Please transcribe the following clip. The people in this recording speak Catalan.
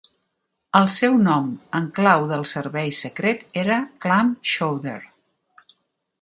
El seu nom en clau del servei secret era Clam Chowder.